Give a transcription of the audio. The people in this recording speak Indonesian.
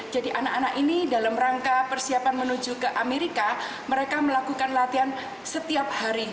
jadi anak anak ini dalam rangka persiapan menuju ke amerika mereka melakukan latihan setiap hari